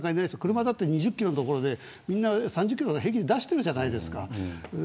車は２０キロの所で、３０キロで平気に出してるじゃないですか。